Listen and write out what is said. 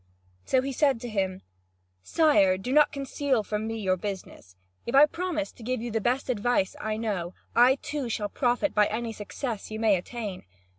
So he said to him: "Sire, do not conceal from me your business, if I promise to give you the best advice I know. I too shall profit by any success you may attain.